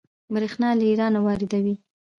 بریښنا له ایران واردوي